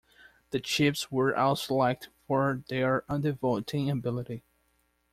The chips were also liked for their undervolting ability.